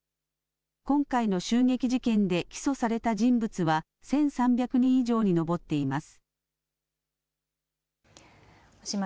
今回の襲撃事件で起訴された人物は１３００人以上に上っています。